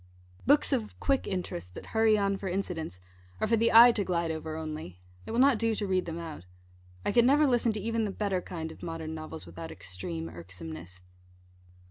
Books of quick interest, that hurry on for incidents, are for the eye to glide over only. It will not do to read them out. I could never listen to even the better kind of modern novels without extreme irksomeness.